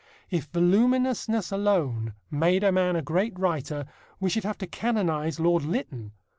If voluminousness alone made a man a great writer, we should have to canonize Lord Lytton.